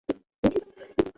তো, কারা দুর্ভাগ্য বানায়?